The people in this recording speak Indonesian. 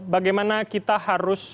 bagaimana kita harus